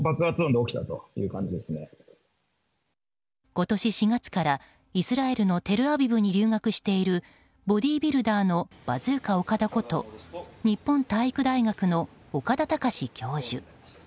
今年４月からイスラエルのテルアビブに留学しているボディービルダーのバズーカ岡田こと日本体育大学の岡田隆教授。